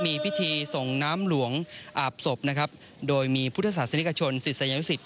มีพิธีส่งน้ำหลวงอาบศพนะครับโดยมีพุทธศาสนิกชนศิษยานุสิต